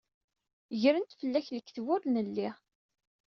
Gren-d fell-ak lekdeb ur nelli.